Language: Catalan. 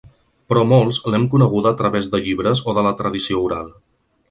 Però molts l’hem coneguda a través de llibres o de la tradició oral.